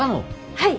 はい。